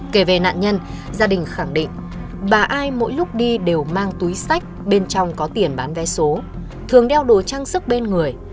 kể về nạn nhân gia đình khẳng định bà ai mỗi lúc đi đều mang túi sách bên trong có tiền bán vé số thường đeo đồ trang sức bên người